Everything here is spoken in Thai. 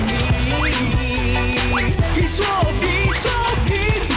เจอกับพวกเราธนาจรรย์ธนัดทวีแบบนี้